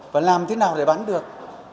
và làm thế nào để bán được